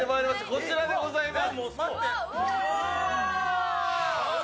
こちらでございます。